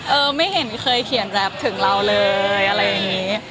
เออไม่เห็นเคยเขียนแรปถึงเราเลยอะไรอย่างนี้